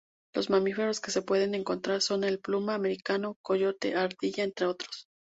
Los mamíferos que se pueden encontrar son el puma americano, coyote, ardilla, entre otros.